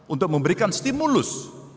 untuk memberikan stimulus